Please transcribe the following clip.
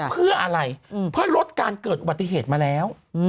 เพื่ออะไรเพื่อลดการเกิดอุบัติเหตุมาแล้ว